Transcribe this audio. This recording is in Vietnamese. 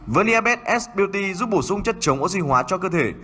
verniabet s beauty giúp bổ sung chất chống oxy hóa cho cơ thể